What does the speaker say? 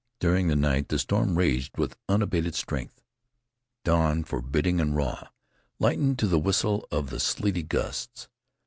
During the night the storm raged with unabated strength. Dawn, forbidding and raw, lightened to the whistle of the sleety gusts.